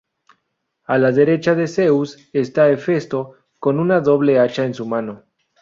A la derecha de Zeus está Hefesto con una doble hacha en su mano.